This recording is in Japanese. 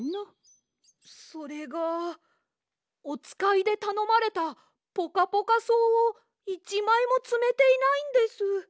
それがおつかいでたのまれたポカポカそうをいちまいもつめていないんです。